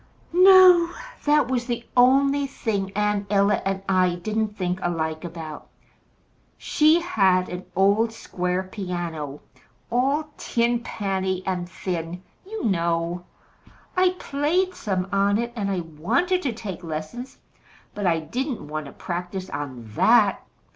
"No. That was the only thing Aunt Ella and I didn't think alike about. She had an old square piano, all tin panny and thin, you know. I played some on it, and wanted to take lessons; but I didn't want to practise on that.